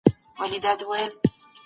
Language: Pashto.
صدقه ورکول د الله د نږدېوالي لاره ده.